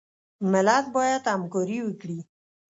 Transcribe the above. ملت باید همکاري وکړي